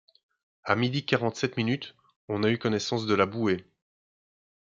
À midi quarante-sept minutes, on eut connaissance de la bouée.